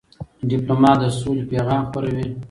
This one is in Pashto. ډيپلومات د سولې پیغام خپروي.